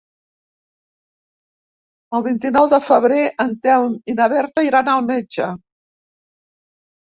El vint-i-nou de febrer en Telm i na Berta iran al metge.